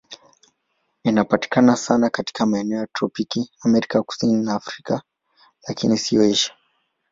Inapatikana sana katika maeneo ya tropiki Amerika Kusini na Afrika, lakini si Asia.